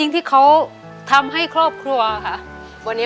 ยังไม่มีให้รักยังไม่มี